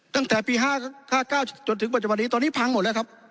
ตั้งแต่ปี๕๙จนถึงปัจจุบันนี้ตอนนี้พังหมดแล้วครับ